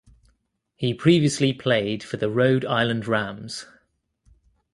He previously played for the Rhode Island Rams.